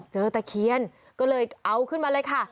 ตะเคียนก็เลยเอาขึ้นมาเลยค่ะ